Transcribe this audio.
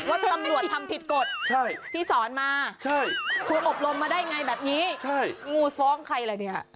ว่าตำรวจทำผิดกฎที่สอนมาครูอบรมมาได้ไงแบบนี้งูฟ้องใครล่ะเนี่ย